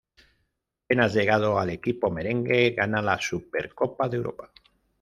Apenas llegado al equipo merengue, gana la Supercopa de Europa.